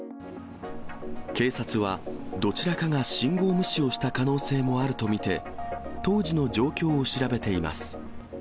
警察は、どちらかが信号無視をした可能性もあると見て、当時の状況を調べています。